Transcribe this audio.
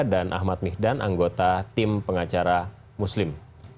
dan ahmad mihdan anggota tim pengacara muslim